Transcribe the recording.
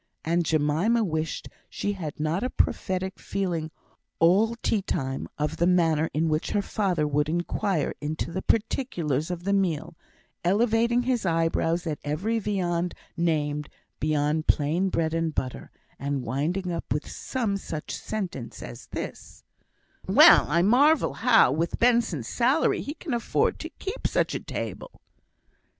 And Jemima wished she had not a prophetic feeling all tea time of the manner in which her father would inquire into the particulars of the meal, elevating his eyebrows at every viand named beyond plain bread and butter, and winding up with some such sentence as this: "Well, I marvel how, with Benson's salary, he can afford to keep such a table."